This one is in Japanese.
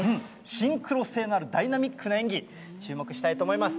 シンクロ性のあるダイナミックな演技、注目したいと思います。